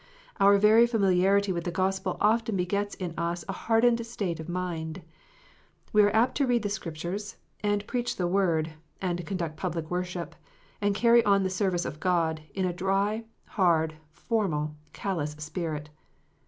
Our very familiarity with the Gospel often begets in us a hardened state of mind. We are apt to read the Scriptures, and preach the Word, and conduct public worship, and carry 011 the service of God, in a dry, hard, formal, callous spirit.